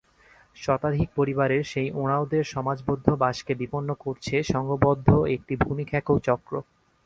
শতাধিক পরিবারের সেই ওঁরাওদের সমাজবদ্ধ বাসকে বিপন্ন করেছে সংঘবদ্ধ একটি ভূমিখেকো চক্র।